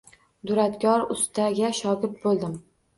Duradgor ustaga shogird boʻldim.